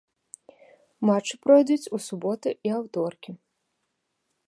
Матчы пройдуць у суботы і аўторкі.